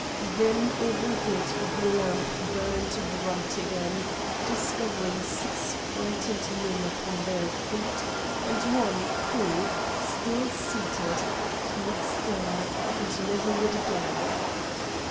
Then overhead the lamp burned bright again, discovering six frightened men upon their feet and one who, still seated, did not stir, and never would again.